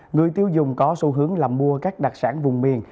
người tiêu dùng có xu hướng là mua các đặc sản vùng miền